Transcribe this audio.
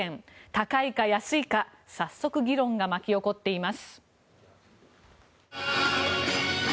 高いか安いか早速、議論が巻き起こっています。